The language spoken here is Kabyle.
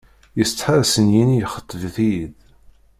Yessetḥa ad sen-yini xeḍbet-iyi-d.